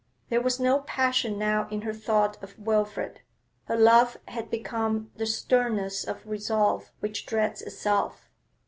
There was no passion now in her thought of Wilfrid; her love had become the sternness of resolve which dreads itself.